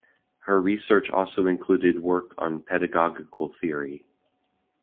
Her research also included work on pedagogical theory.